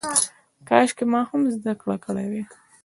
کاشکې ما هم زده کړه کړې وای.